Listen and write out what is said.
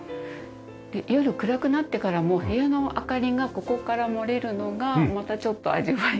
で夜暗くなってからも部屋の明かりがここから漏れるのがまたちょっと味わいが。